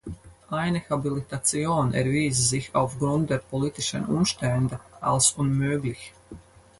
Eine Habilitation erwies sich aufgrund der politischen Umstände als unmöglich.